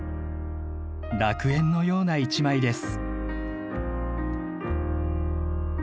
楽園のような一枚です。